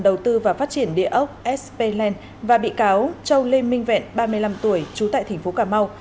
đầu tư và phát triển địa ốc sp land và bị cáo châu lê minh vẹn ba mươi năm tuổi trú tại tp cà mau